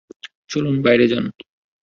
চলুন, বাইরে যান।